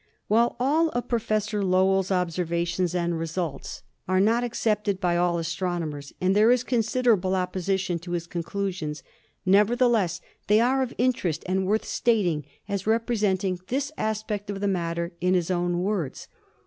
While all of Professor Lowell's observations and results MARS 189 are not accepted by all astronomers, and there is consider able opposition to his conclusions, nevertheless they are of interest and worth stating as representing this aspect of the matter in his own words.